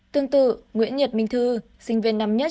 tương tự nguyễn nhật minh thư sinh viên năm nhất